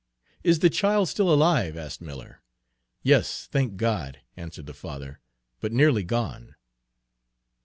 "Is the child still alive?" asked Miller. "Yes, thank God," answered the father, "but nearly gone."